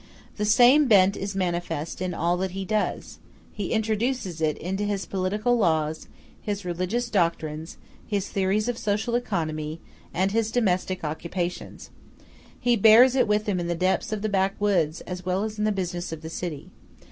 The same bent is manifest in all that he does; he introduces it into his political laws, his religious doctrines, his theories of social economy, and his domestic occupations; he bears it with him in the depths of the backwoods, as well as in the business of the city.